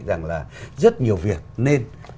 rằng là rất nhiều việc nên